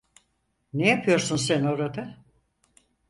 Ne yapıyorsun sen orada?